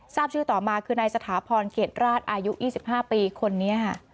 ทราบชื่อต่อมาคือนายสถาพรเขตราชอายุ๒๕ปีคนนี้ค่ะ